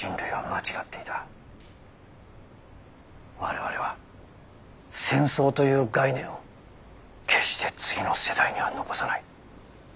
我々は戦争という概念を決して次の世代には残さない。